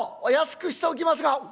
お安くしておきますが」。